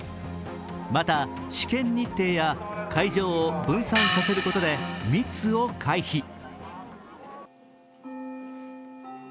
また、試験日程や会場を分散させることで密を回避。